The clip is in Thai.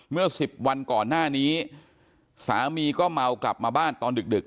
เมื่อ๑๐วันก่อนหน้านี้สามีก็เมากลับมาบ้านตอนดึก